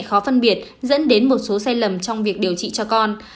khó phân biệt dẫn đến một số sai lầm trong việc điều trị cho con